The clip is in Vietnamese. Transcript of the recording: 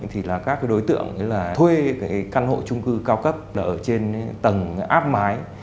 thì các đối tượng thuê căn hộ trung cư cao cấp ở trên tầng áp mái